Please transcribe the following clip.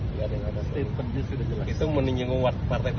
nggak ada yang warna